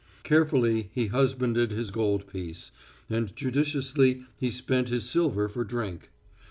Carefully he husbanded his gold piece, and judiciously he spent his silver for drink.